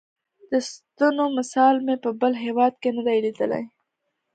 دې ستنو مثال مې په بل هېواد کې نه دی لیدلی.